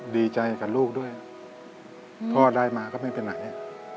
ดีใจกับลูกด้วยพ่อได้มาก็ไม่ไปไหน